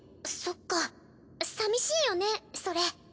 そっか寂しいよねそれ。